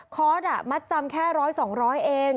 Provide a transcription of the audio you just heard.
คอร์สมัดจำแค่๑๐๐๒๐๐เอง